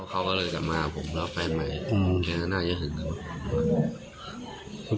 เขาก็เลยกลับมาผมรับแฟนใหม่อืมแน่น่าเยอะหึง